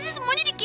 aku mau pergi